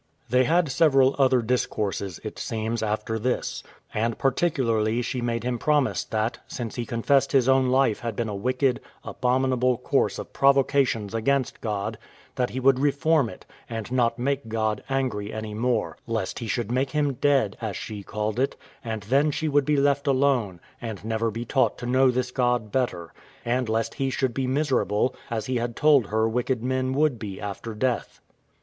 They had several other discourses, it seems, after this; and particularly she made him promise that, since he confessed his own life had been a wicked, abominable course of provocations against God, that he would reform it, and not make God angry any more, lest He should make him dead, as she called it, and then she would be left alone, and never be taught to know this God better; and lest he should be miserable, as he had told her wicked men would be after death.